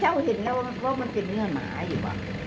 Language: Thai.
เราเห็นแล้วว่ามันเป็นเนื้อหมาอยู่ป่ะ